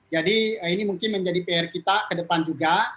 jadi ini mungkin menjadi pr kita kedepan juga